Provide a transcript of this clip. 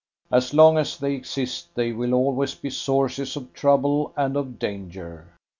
As long as they exist they will always be sources of trouble and of danger.